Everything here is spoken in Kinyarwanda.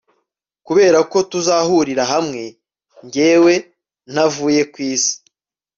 Kuberako tuzahuriza hamwe njyewe ntavuye ku isi